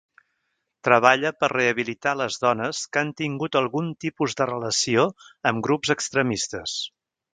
Treballa per rehabilitar les dones que han tingut algun tipus de relació amb grups extremistes.